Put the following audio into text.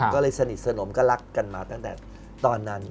ก็เลยสนิทสนมก็รักกันมาตั้งแต่ตอนนั้น